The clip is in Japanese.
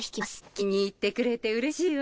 気に入ってくれてうれしいわ。